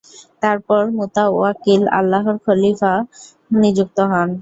তারপর মুতাওয়াক্কিল আলাল্লাহ খলীফা নিযুক্ত হন।